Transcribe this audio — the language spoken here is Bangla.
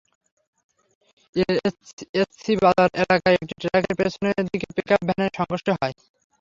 এসসি বাজার এলাকায় একটি ট্রাকের পেছনের দিকে পিকআপ ভ্যানের সংঘর্ষ হয়।